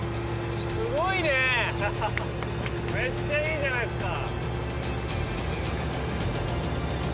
めっちゃいいじゃないっすか。